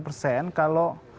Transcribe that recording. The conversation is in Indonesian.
lima delapan persen kalau